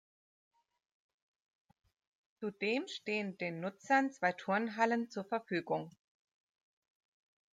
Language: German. Zudem stehen den Nutzern zwei Turnhallen zur Verfügung.